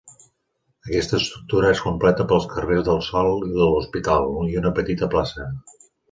Aquesta estructura es completa pels carrers del Sol i de l'Hospital, i una petita plaça.